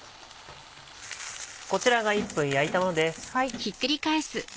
こちらが１分焼いたものです。